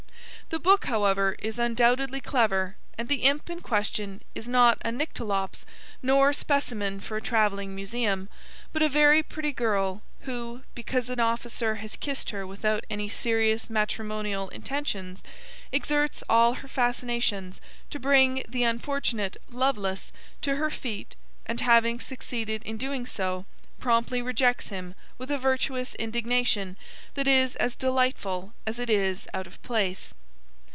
The book, however, is undoubtedly clever, and the Imp in question is not a Nyctalops nor a specimen for a travelling museum, but a very pretty girl who, because an officer has kissed her without any serious matrimonial intentions, exerts all her fascinations to bring the unfortunate Lovelace to her feet and, having succeeded in doing so, promptly rejects him with a virtuous indignation that is as delightful as it is out of place.